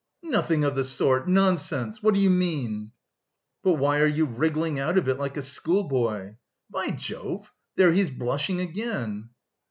"Nothing of the sort, nonsense! What do you mean?" "But why are you wriggling out of it, like a schoolboy? By Jove, there he's blushing again."